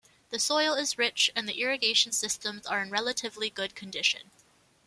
The soil is rich and the irrigation systems are in relatively good condition.